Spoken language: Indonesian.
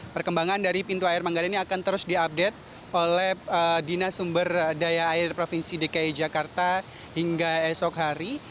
perkembangan dari pintu air manggarai ini akan terus diupdate oleh dinas sumber daya air provinsi dki jakarta hingga esok hari